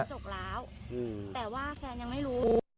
จกล้าวแต่ว่าแฟนยังไม่รู้